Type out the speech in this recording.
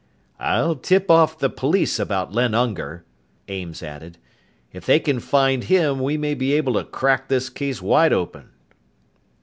"I'll tip off the police about Len Unger," Ames added. "If they can find him, we may be able to crack this case wide open."